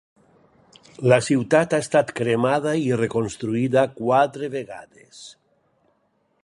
La ciutat ha estat cremada i reconstruïda quatre vegades.